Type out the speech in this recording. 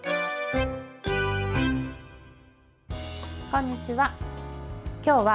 こんにちは。